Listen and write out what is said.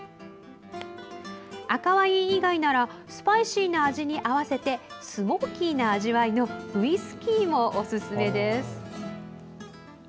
赤ワイン以外ならスパイシーな味に合わせてスモーキーな味わいのウイスキーもおすすめです。